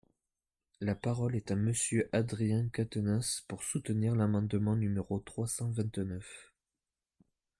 La parole est à Monsieur Adrien Quatennens, pour soutenir l’amendement numéro trois cent vingt-neuf.